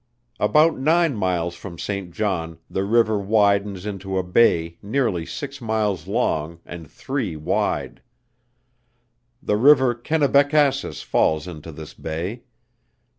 About nine miles from St. John the river widens into a bay nearly six miles long and three wide. The river Kennebeckasis falls into this bay.